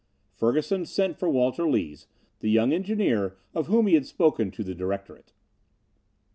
Ferguson sent for Walter Lees, the young engineer of whom he had spoken to the directorate.